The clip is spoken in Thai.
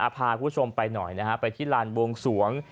ภาคผู้ชมไปหน่อยไปที่ลานโบงสวง